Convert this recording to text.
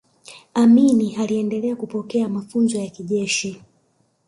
amini aliendelea kupokea mafunzo ya kijeshi